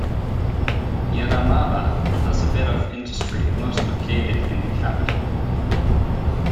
The Adamawa has a bit of industry, most located in the capital.